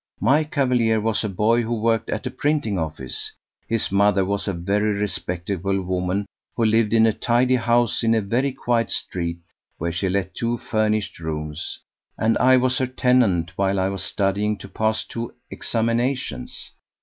"My cavalier was a boy who worked at a printing office. His mother was a very respectable woman who lived in a tidy house in a very quiet street where she let two furnished rooms, and I was her tenant while I was studying to pass two examinations.